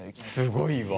すごいわ。